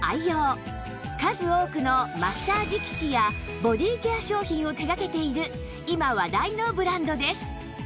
数多くのマッサージ機器やボディーケア商品を手掛けている今話題のブランドです